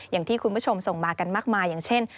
อย่างที่คุณผู้ชมส่งมากันมากมายอย่างเช่น